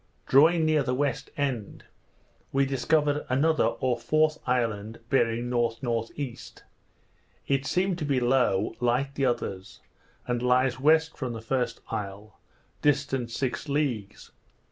Drawing near the west end, we discovered another or fourth island, bearing N.N.E. It seemed to be low, like the others, and lies west from the first isle, distant six leagues.